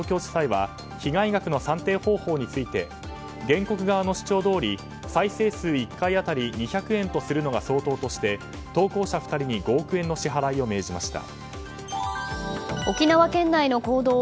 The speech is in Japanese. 今日の判決で東京地裁は被害額の算定方法について原告側の主張どおり再生数１回当たり２００円とするのが相当として投稿者２人に５億円の支払いを命じました。